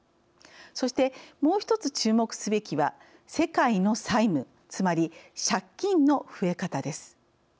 そしてもう１つ注目すべきは世界の債務つまり借金の増え方です。